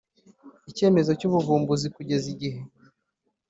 icyemezo cy ubuvumbuzi kugeza igihe